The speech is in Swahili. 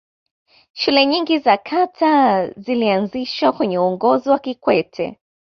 shule nyingi za kata zilianzishwa kwenye uongozi wa kikwete